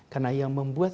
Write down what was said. karena yang membuat